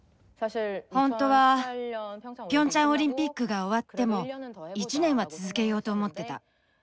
本当はピョンチャンオリンピックが終わっても１年は続けようと思ってた。